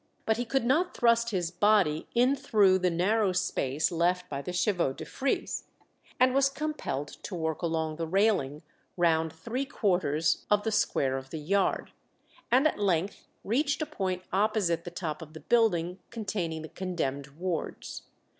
But he could not thrust his body in through the narrow space left by the chevaux de frise, and was compelled to work along the railing round three quarters of the square of the yard, and at length reached a point opposite the top of the building containing the condemned wards.